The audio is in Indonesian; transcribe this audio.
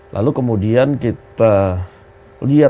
lalu kemudian kita lihat